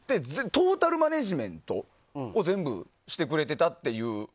トータルマネジメントを全部、してくれていたっていう。